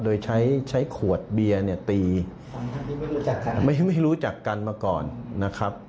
โดยใช้ใช้ขวดเบียร์เนี่ยตีไม่รู้จักกันมาก่อนนะครับ